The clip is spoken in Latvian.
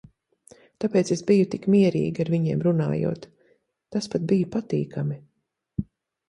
Tāpēc es biju tik mierīga, ar viņiem runājot. tas pat bija patīkami.